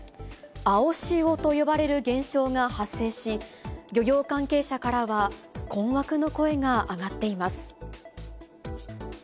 青潮と呼ばれる現象が発生し、漁業関係者からは困惑の声が上がっています。